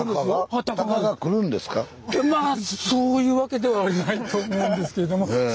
そういうわけではないと思うんですけれども。